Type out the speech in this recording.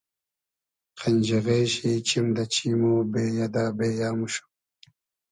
قئنجیغې شی چیم دۂ چیم و بېیۂ دۂ بېیۂ موشوم